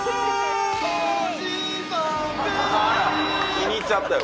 気に入っちゃったよ